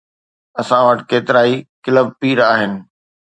اسان وٽ ڪيترائي ڪلب پير آهن.